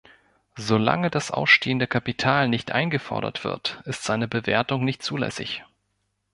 Solange das ausstehende Kapital nicht eingefordert wird, ist seine Bewertung nicht zulässig.